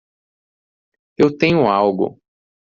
Eu tenho algo!